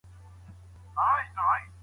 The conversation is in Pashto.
اوس يې په دې لاس كي